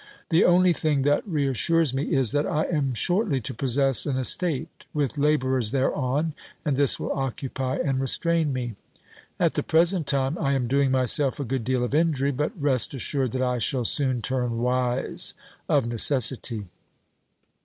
The only thing that reassures me is that I am shortly to possess an estate, with labourers thereon, and this will occupy and restrain me. At the present time I am doing myself a good deal of injury, but rest assured that I shall soon turn wise of necessity.